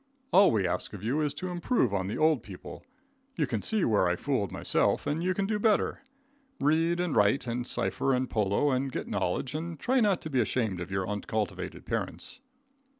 All we ask of you is to improve on the old people. You can see where I fooled myself, and you can do better. Read and write, and sifer, and polo, and get nolledge, and try not to be ashamed of your uncultivated parents.